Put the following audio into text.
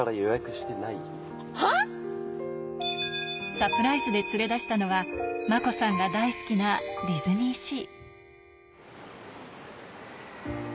サプライズで連れ出したのは、真子さんが大好きなディズニーシー。